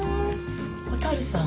蛍さん